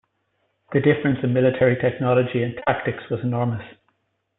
The difference in military technology and tactics was enormous.